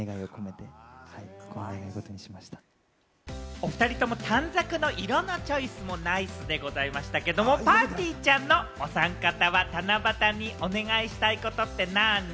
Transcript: お２人とも短冊の色のチョイスもナイスでございましたけれども、ぱーてぃーちゃんのお三方は七夕にお願いしたいことって何？